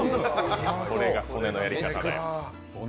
これが曽根のやり方だよ。